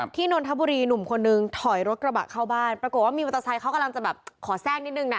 นนทบุรีหนุ่มคนนึงถอยรถกระบะเข้าบ้านปรากฏว่ามีมอเตอร์ไซค์เขากำลังจะแบบขอแทรกนิดนึงนะ